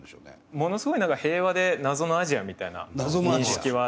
ものすごい平和で謎のアジアみたいな認識はあって。